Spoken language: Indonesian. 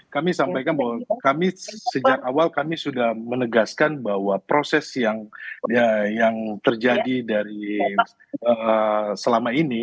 kami sampaikan bahwa kami sejak awal kami sudah menegaskan bahwa proses yang terjadi dari selama ini